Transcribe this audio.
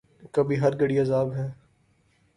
کبھی ہر گھڑی عذاب ہے